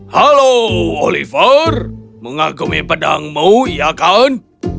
halo oliver mengagumi pedangmu iya kan